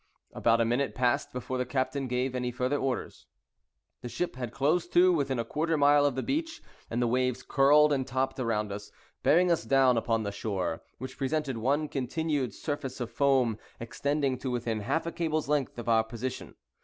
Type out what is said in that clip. About a minute passed before the captain gave any further orders. The ship had closed to within a quarter mile of the beach, and the waves curled and topped around us, bearing us down upon the shore, which presented one continued surface of foam, extending to within half a cable's length of our position.